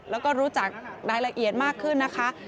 แล้วก็รู้จักรายละเอียดมากขึ้นนะคะ